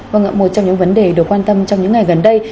một trong những vấn đề được quan tâm trong những ngày gần đây